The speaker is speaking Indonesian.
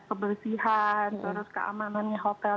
kebersihan terus keamanan hotel